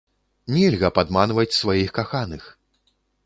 Нельга падманваць сваіх каханых!